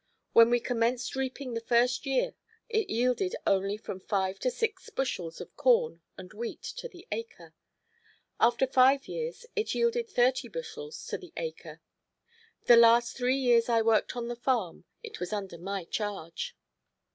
When we commenced reaping the first year it yielded only from five to six bushels of corn and wheat to the acre; after five years it yielded thirty bushels to the acre. The last three years I worked on the farm it was under my charge.